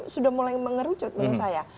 sudah mulai mengerucut menurut saya